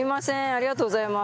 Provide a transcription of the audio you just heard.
ありがとうございます。